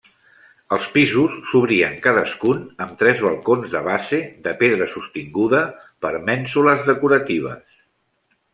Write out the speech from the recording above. Els pisos s'obrien cadascun amb tres balcons de base de pedra sostinguda per mènsules decoratives.